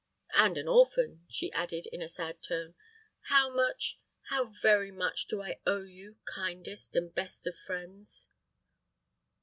"And an orphan," she added, in a sad tone. "How much how very much do I owe you, kindest and best of friends."